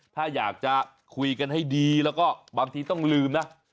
ถ้าอยากจะคุยกันให้ดีแล้วก็บางทีต้องลืมนะ